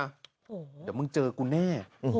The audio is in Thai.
เดี๋ยวมึงเจอกูแน่